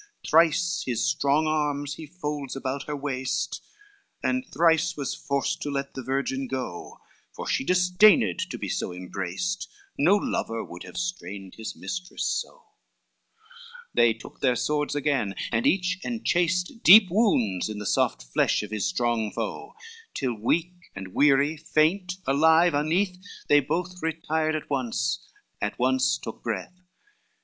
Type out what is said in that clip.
LVII Thrice his strong arms he folds about her waist, And thrice was forced to let the virgin go, For she disdained to be so embraced, No lover would have strained his mistress so: They took their swords again, and each enchased Deep wounds in the soft flesh of his strong foe, Till weak and weary, faint, alive uneath, They both retired at once, at once took breath.